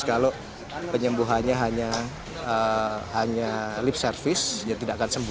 kalau penyembuhannya hanya lip service ya tidak akan sembuh